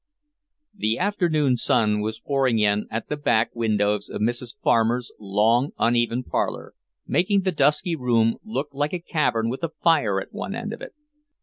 XII The afternoon sun was pouring in at the back windows of Mrs. Farmer's long, uneven parlour, making the dusky room look like a cavern with a fire at one end of it.